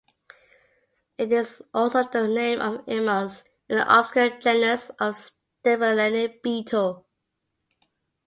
It is also the name of "Emus", an obscure genus of staphylinid beetle.